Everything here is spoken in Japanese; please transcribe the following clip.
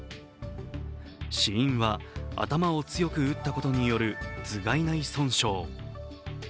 死因は頭を強く打ったことによる頭蓋内損傷。